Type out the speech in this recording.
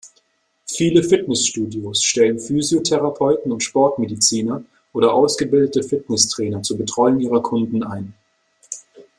Viele Fitnessstudios stellen Physiotherapeuten und Sportmediziner oder ausgebildete Fitnesstrainer zur Betreuung ihrer Kunden ein.